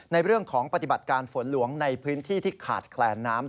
ในเรื่องของปฏิบัติการฝนหลวงในพื้นที่ที่ขาดแคลนน้ำ